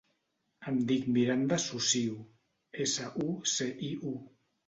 Em dic Miranda Suciu: essa, u, ce, i, u.